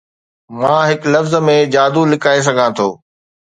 مان هڪ لفظ ۾ جادو لڪائي سگهان ٿو